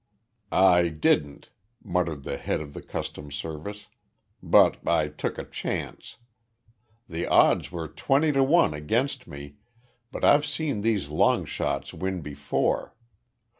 "I didn't," muttered the head of the Customs Service, "but I took a chance. The odds were twenty to one against me, but I've seen these long shots win before.